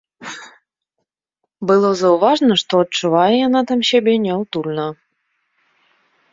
Было заўважна, што адчувае яна там сябе няўтульна.